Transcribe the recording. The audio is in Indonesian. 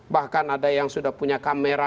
bahkan ada yang sudah punya kamera